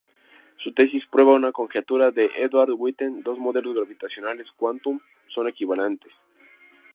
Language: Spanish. Su tesis prueba una conjetura de Edward Witten: dos modelos gravitacionales quantum son equivalentes.